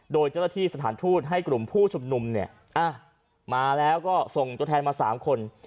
โดยเจ้าหน้าที่สถานทูตให้กลุ่มผู้ชุมนุมเนี่ยมาแล้วก็ส่งตัวแทนมา๓คน